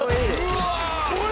うわ！